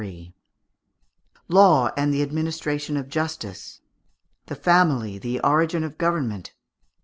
] Law and the Administration of Justice. The Family the Origin of Government.